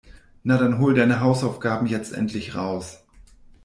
Na, dann hol deine Hausaufgaben jetzt endlich raus.